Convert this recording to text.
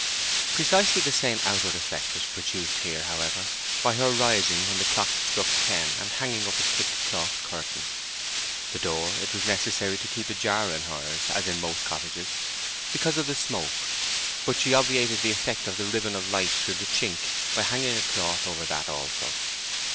Precisely the same outward effect was produced here, however, by her rising when the clock struck ten and hanging up a thick cloth curtain. The door it was necessary to keep ajar in hers, as in most cottages, because of the smoke; but she obviated the effect of the ribbon of light through the chink by hanging a cloth over that also.